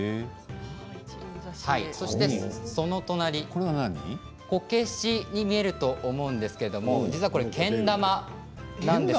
そして、こけしに見えると思うんですが実はけん玉なんです。